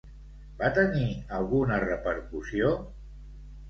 Va tenir alguna repercussió?